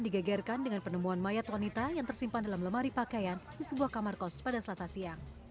digegerkan dengan penemuan mayat wanita yang tersimpan dalam lemari pakaian di sebuah kamar kos pada selasa siang